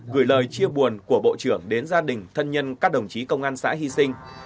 gửi lời chia buồn của bộ trưởng đến gia đình thân nhân các đồng chí công an xã hy sinh